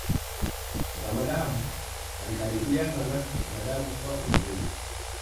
Zamadamu alikaribiana na binadamu kwa umbile